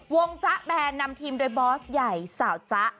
วงจ้ะแบนนำทีมด้วยบอสใหญ่สาวจ้ะ